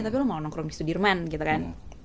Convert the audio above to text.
tapi lo mau nongkrong di sudirman gitu kan